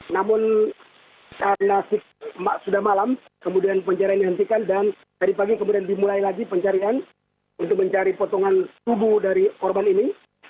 namun karena sudah malam kemudian pencarian dihentikan dan tadi pagi kemudian dimulai lagi pencarian untuk mencari potongan tubuh dari korban ini